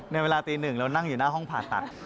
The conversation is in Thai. เวลาตีหนึ่งเรานั่งอยู่หน้าห้องผ่าตัด